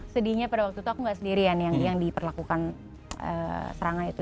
sedihnya pada waktu itu aku gak sendirian yang diperlakukan serangan itu